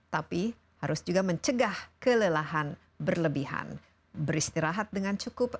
tapi harus juga mencegah kelelahan berlebihan beristirahat dengan cukup